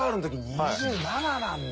２７なんだ。